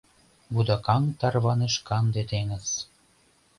Вудакаҥ тарваныш канде теҥыз.